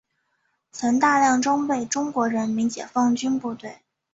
曾大量装备中国人民解放军部队。